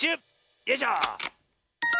よいしょ。